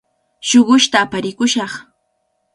Shuqushta aparikushaq.